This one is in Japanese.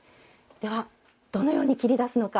ではどのように切り出すのか。